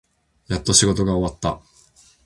やっと仕事が終わった。